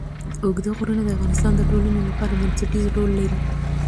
اوږده غرونه د افغانستان د ټولنې لپاره بنسټيز رول لري.